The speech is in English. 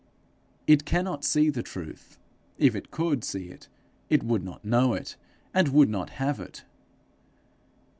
It cannot see the truth. If it could see it, it would not know it, and would not have it.